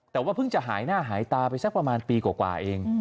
แต่ว่าเพิ่งจะหายหน้าหายตาไปสักประมาณปีกว่าเอง